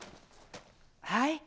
はい？